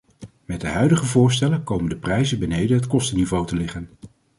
Met de huidige voorstellen komen de prijzen beneden het kostenniveau te liggen.